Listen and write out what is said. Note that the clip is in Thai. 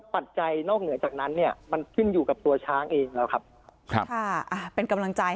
ปัจจัยนอกเหนือจากนั้นมันขึ้นอยู่กับตัวช้าได้แล้วครับเป็นกำลังใจ